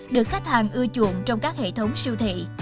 được khách hàng ưa chuộng trong các hệ thống siêu thị